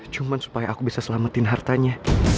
cuma supaya aku bisa selamatin hartanya